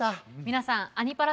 皆さん「アニ×パラ」